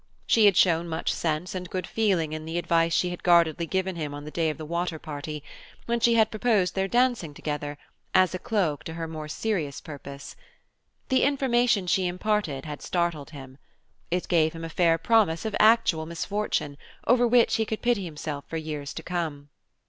She had shown much sense and good feeling in the advice she had guardedly given him on the day of the water party, when she had proposed their dancing together, as a cloak to her more serious purpose. The information she imparted had startled him. It gave him a fair promise of actual misfortune, over which he could pity himself for years to come.